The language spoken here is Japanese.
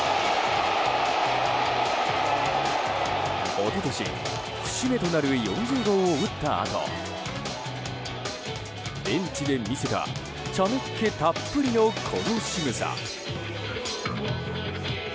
一昨年、節目となる４０号を打ったあとベンチで見せた茶目っ気たっぷりのこのしぐさ。